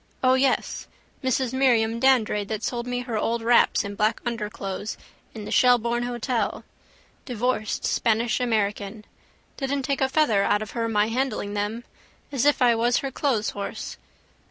O yes! Mrs Miriam Dandrade that sold me her old wraps and black underclothes in the Shelbourne hotel. Divorced Spanish American. Didn't take a feather out of her my handling them. As if I was her clotheshorse.